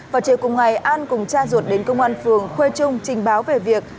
vào chiều cùng ngày an cùng cha ruột đến công an phường khuê trung trình báo về việc